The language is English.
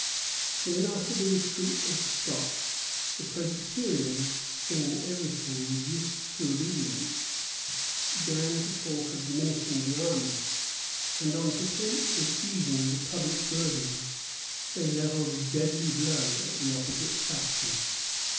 Soon after the retreat of the Scots, the Presbyterians, seeing every thing reduced to obedience, began to talk of diminishing the army; and, on pretence of easing the public burdens, they levelled a deadly blow at the opposite faction.